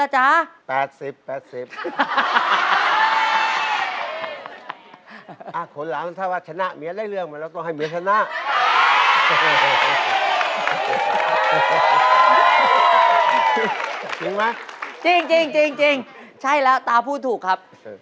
จริงใช่แล้วตาพูดถูกครับ